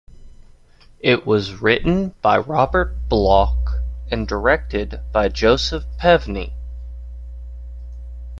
It was written by Robert Bloch, and directed by Joseph Pevney.